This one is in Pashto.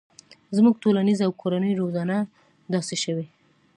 زموږ ټولنیزه او کورنۍ روزنه داسې شوي